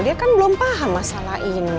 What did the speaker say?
dia kan belum paham masalah ini